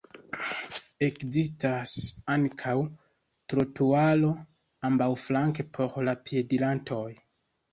Ekzistas ankaŭ trotuaro ambaŭflanke por la piedirantoj.